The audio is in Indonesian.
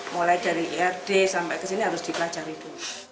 mulai dari ird sampai ke sini harus dipelajari dulu